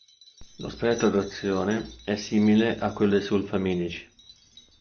Lo spettro d'azione è simile a quello dei sulfamidici.